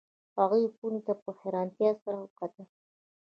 هغې خونې ته په حیرانتیا سره وکتل